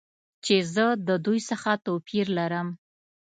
چې زه د دوی څخه توپیر لرم.